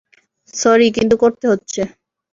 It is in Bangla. সরি কিন্তু করতে হচ্ছে।